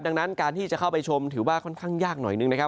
ดังนั้นการที่จะเข้าไปชมถือว่าค่อนข้างยากหน่อยหนึ่งนะครับ